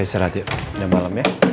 ya istirahat ya udah malem ya